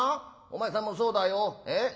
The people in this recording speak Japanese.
お前さんもそうだよ。え？